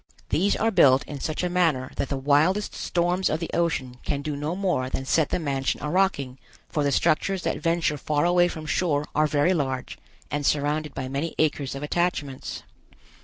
These are built in such a manner that the wildest storms of the ocean can do no more than set the mansion a rocking, for the structures that venture far away from shore are very large, and surrounded by many acres of attachments.